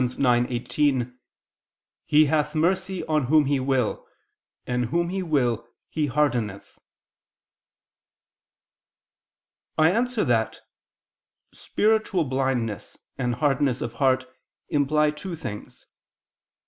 9:18: "He hath mercy on whom He will, and whom He will He hardeneth." I answer that, Spiritual blindness and hardness of heart imply two things.